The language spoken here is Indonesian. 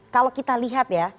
kalau kita lihat ya